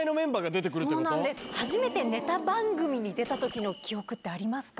初めてネタ番組に出たときの記憶ってありますか。